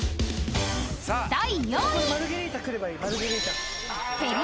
［第４位］